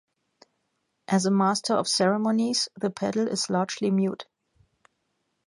As a master of ceremonies, the pedel is largely mute.